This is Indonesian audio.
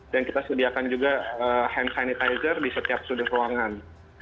dan kita sediakan juga hand sanitizer di setiap sudut ruangan